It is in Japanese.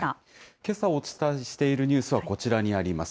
けさお伝えしているニュースはこちらにあります。